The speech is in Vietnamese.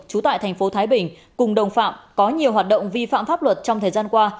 trú tại thành phố thái bình cùng đồng phạm có nhiều hoạt động vi phạm pháp luật trong thời gian qua